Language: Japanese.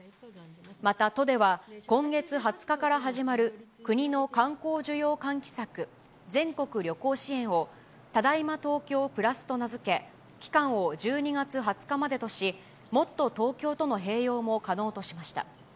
また都では、今月２０日から始まる国の観光需要喚起策、全国旅行支援を、ただいま東京プラスと名付け、期間を１２月２０日までとし、もっとＴｏｋｙｏとの併用も可能としました。